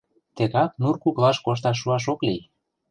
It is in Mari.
Тегак нур куклаш кошташ шуаш ок лий.